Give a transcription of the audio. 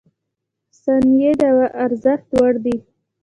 • ثانیې د ارزښت وړ دي.